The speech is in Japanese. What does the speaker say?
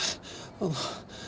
あの。